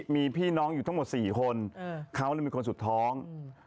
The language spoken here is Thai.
มีพี่น้องอยู่ทั้งหมด๔คนเขามีคนสุดท้อง